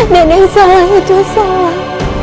dan yang salah itu salah